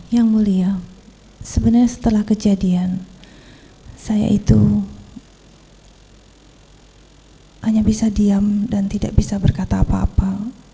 yang mulia sebenarnya setelah kejadian saya itu hanya bisa diam dan tidak bisa berkata apa apa